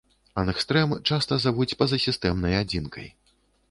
Ангстрэм часта завуць пазасістэмнай адзінкай.